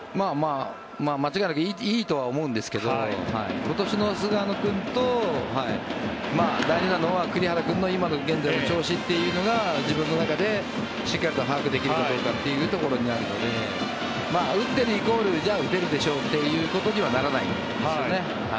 間違いなくいいとは思うんですけど今年の菅野君と、大事なのは栗原君の現在の調子というのが自分の中でしっかりと把握できるかどうかというところになるので打ってるイコールじゃあ打てるでしょうということにはならないんですよね。